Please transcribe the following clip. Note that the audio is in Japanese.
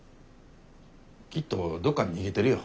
きっとどっかに逃げてるよ。